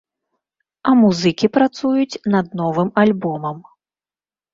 А музыкі працуюць над новым альбомам.